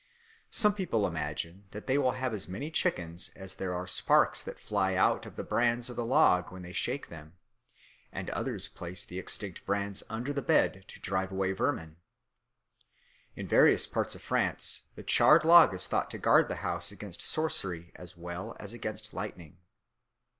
Some people imagine that they will have as many chickens as there are sparks that fly out of the brands of the log when they shake them; and others place the extinct brands under the bed to drive away vermin. In various parts of France the charred log is thought to guard the house against sorcery as well as against lightning.